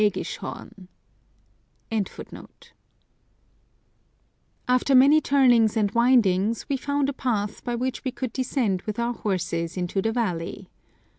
^" After many turnings and windings we found a path by which we could descend with our horses into the valley.